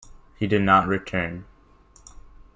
He did not return.